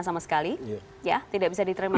sama sekali ya tidak bisa diterima